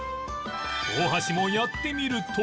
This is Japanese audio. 大橋もやってみると